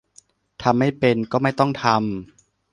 ทำไม่เป็น ก็ไม่ต้องทำ